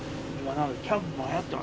キャンプもはやってますから。